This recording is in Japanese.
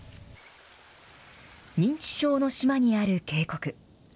認知症の島にある渓谷。